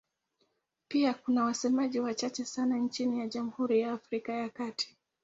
Pia kuna wasemaji wachache sana nchini Jamhuri ya Afrika ya Kati.